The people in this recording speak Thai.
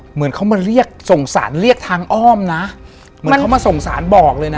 เหมือนเขามาเรียกส่งสารเรียกทางอ้อมนะเหมือนเขามาส่งสารบอกเลยนะ